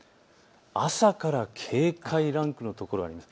朝から警戒ランクの所があります。